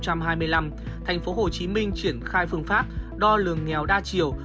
giai đoạn hai nghìn hai mươi một hai nghìn hai mươi năm thành phố hồ chí minh triển khai phương pháp đo lường nghèo đa chiều